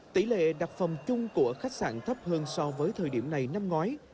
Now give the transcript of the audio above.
tỷ lệ đặt phòng chung của khách sạn thấp hơn so với thời điểm này năm ngoái